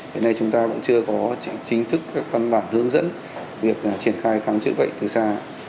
hiện nay chúng ta vẫn chưa có chính thức các văn bản hướng dẫn việc triển khai khám chữa bệnh từ xa